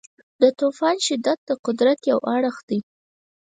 د طوفان شدت د قدرت یو اړخ دی.